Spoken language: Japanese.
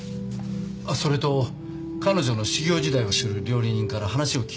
あっそれと彼女の修業時代を知る料理人から話を聞き出しました。